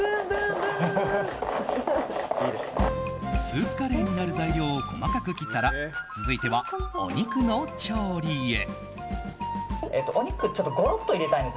スープカレーになる材料を細かく切ったら続いては、お肉の調理へ。